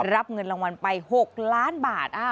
รับเงินรางวัลไป๖ล้านบาท